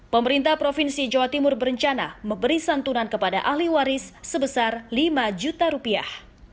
pemerintah provinsi jawa timur berencana memberi santunan kepada ahli waris sebesar lima juta rupiah